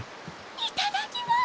いただきます！